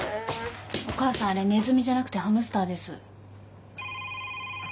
あれネズミじゃなくてハムスターです。